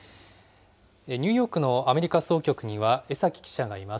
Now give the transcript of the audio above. ニューヨークのアメリカ総局には、江崎記者がいます。